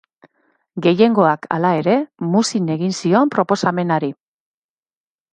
Gehiengoak, halere, muzin egin zion proposamenari.